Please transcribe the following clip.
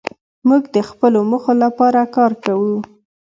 موږ د خپلو موخو لپاره کار کوو.